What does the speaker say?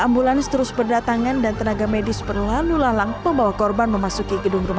ambulans terus berdatangan dan tenaga medis berlalu lalang membawa korban memasuki gedung